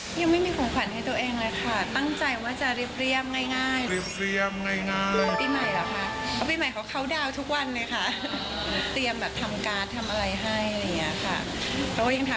สามสิบกว่าสี่สิบแล้วมันก็เหมือนกันหมดอะค่ะ